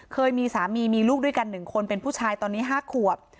เคยมีสามีมีลูกด้วยกัน๑คนเป็นผู้ชายตอนนี้๕ขวบ